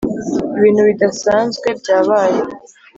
ibintu bidasanzwe byabaye.